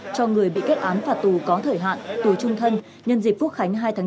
cho người bị kết án phạt tù có thời hạn tù trung thân nhân dịp quốc khánh hai tháng chín